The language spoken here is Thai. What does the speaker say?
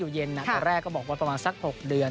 เย็นตอนแรกก็บอกว่าประมาณสัก๖เดือน